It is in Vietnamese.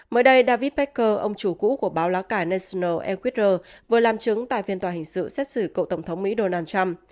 mới đây david becker ông chủ cũ của báo lá cải national equator vừa làm chứng tại phiên tòa hình sự xét xử cậu tổng thống mỹ donald trump